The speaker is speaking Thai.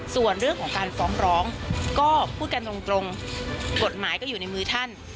ส่วนเรื่องของการฟ้องร้องก็พูดกันตรงกฎหมายก็อยู่ในมือท่าน